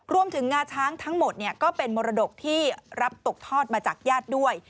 งาช้างทั้งหมดก็เป็นมรดกที่รับตกทอดมาจากญาติด้วย